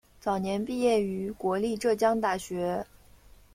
早年毕业于国立浙江大学。